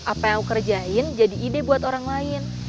apa yang aku kerjain jadi ide buat orang lain